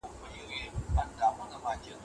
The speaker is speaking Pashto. پټه خبره به تر سبا پورې په ټوله حجره کې خپره شي.